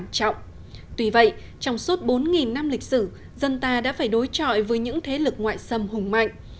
tuy vậy trong suốt bốn năm lịch sử dân ta đã phải đối trọi với những thế lực ngoại xâm hùng mạnh